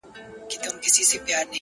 د چا غمو ته به ځواب نه وايو-